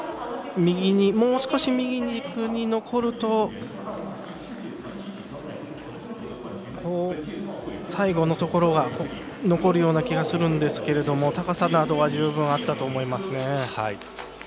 もう少し右軸に残ると最後のところが残るような気がしますが高さは十分あったと思いますね。